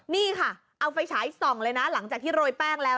นี่ค่ะเอาไฟฉายส่องเลยนะหลังจากที่โรยแป้งแล้ว